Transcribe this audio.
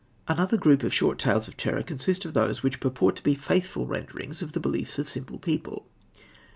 Another group of short tales of terror consists of those which purport to be faithful renderings of the beliefs of simple people.